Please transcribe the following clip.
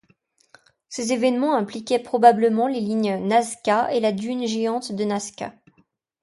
Ces événements impliquaient probablement les lignes nazca et la dune géante de Nazca.